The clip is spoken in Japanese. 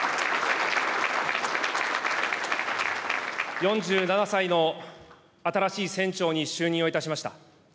４７歳の新しい船長に就任をいたしました。